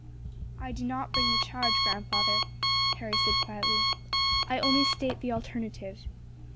"I do not bring the charge, grandfather," Harry said quietly, "I only state the alternative.